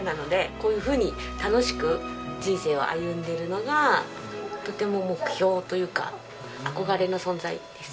こういうふうに楽しく人生を歩んでるのがとても目標というか憧れの存在です。